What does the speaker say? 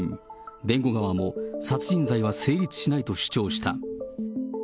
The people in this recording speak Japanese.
弁護側も殺人罪は成立しないと主張した。